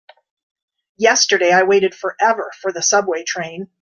Yesterday I waited forever for the subway train.